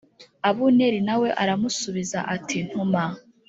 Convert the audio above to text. Abuneri Na we aramusubiza ati ntuma